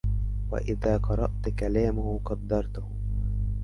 وإذا قرأت كلامه قدرته